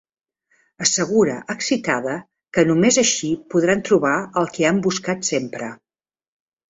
Assegura, excitada, que només així podran trobar el que han buscat sempre.